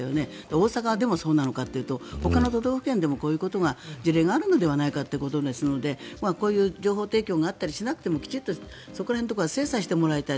大阪でもそうなのかというとほかの都道府県でもこういうことが、事例があるのではないかということですのでこういう情報提供があったりしなくてもきちんとそこら辺のことは精査してもらいたい。